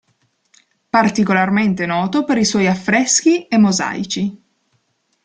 Particolarmente noto per i suoi affreschi e mosaici.